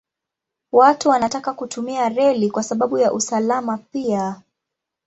Watu wanataka kutumia reli kwa sababu ya usalama pia.